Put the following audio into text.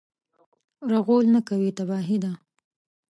رغول نه کوي تباهي ده.